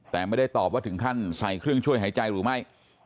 แต่ไม่ได้ตอบว่าถึงขั้นใส่เครื่องช่วยหายใจหรือไม่